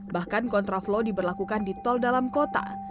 bahkan kontraflow diberlakukan di tol dalam kota